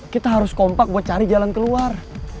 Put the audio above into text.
kita harus kompak buat cari jalan keluar